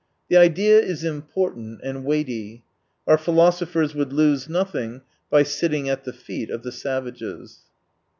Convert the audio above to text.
The idea is important and weighty : our philosophers would lose nothing by sitting at the feet of the savages.